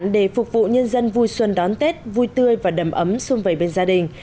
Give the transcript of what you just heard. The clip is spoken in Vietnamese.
để phục vụ nhân dân vui xuân đón tết vui tươi và đầm ấm xuân vẩy bên gia đình